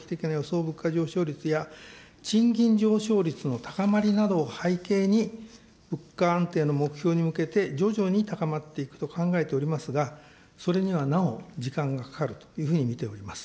物価上昇率や賃金上昇率の高まりなどを背景に、物価安定の目標に向けて、徐々に高まっていくと考えておりますが、それにはなお時間がかかるというふうに見ております。